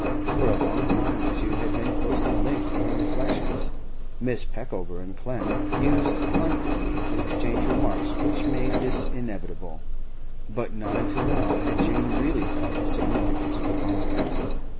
For a long time the two had been closely linked in her reflections; Mrs. Peckover and Clem used constantly to exchange remarks which made this inevitable. But not until now had Jane really felt the significance of the bond.